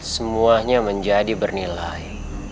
semuanya menjadi bernilai